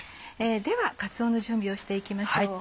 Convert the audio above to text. ではかつおの準備をして行きましょう。